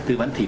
tư vấn thì